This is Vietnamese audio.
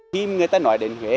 khi người ta nói đến huế